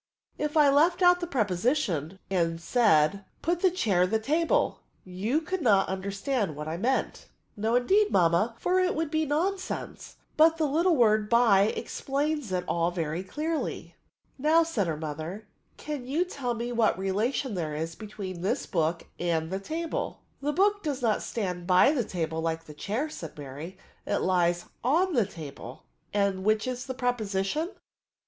If I left out the preposition^ and said, ' Put the chair Hie table/ you could not understand what I meant." '^ No indeed, mamma, for it would be nonsense ; but the little word by explains it all vety dearly/* Now/' said her mother, can you tell me what relation there is between this book and the table r' '' The book does not stand by the table like the chair/' said Mary ;^* it lies an the table." '* And which is the preposition